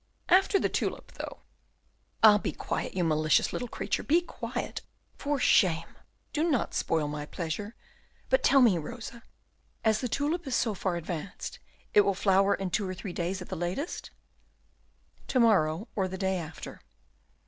"After the tulip, though." "Ah! be quiet, you malicious little creature, be quiet! For shame! Do not spoil my pleasure. But tell me, Rosa, as the tulip is so far advanced, it will flower in two or three days, at the latest?" "To morrow, or the day after."